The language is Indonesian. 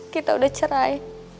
kita udah cerai